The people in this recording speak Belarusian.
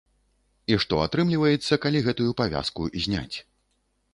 І што атрымліваецца, калі гэтую павязку зняць.